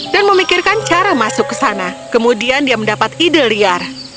dan memikirkan cara masuk ke sana kemudian dia mendapat ide liar